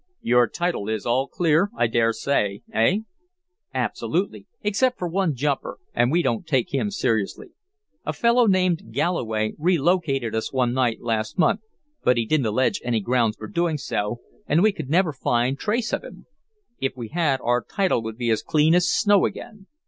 "Your title is all clear, I dare say, eh?" "Absolutely, except for one jumper, and we don't take him seriously. A fellow named Galloway relocated us one night last month, but he didn't allege any grounds for doing so, and we could never find trace of him. If we had, our title would be as clean as snow again."